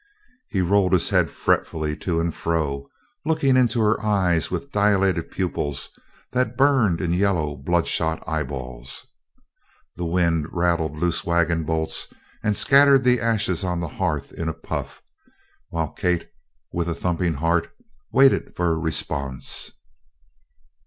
He rolled his head fretfully to and fro, looking into her eyes with dilated pupils that burned in yellow bloodshot eyeballs. The wind rattled loose wagon bolts and scattered the ashes on the hearth in a puff, while Kate with a thumping heart waited for a response.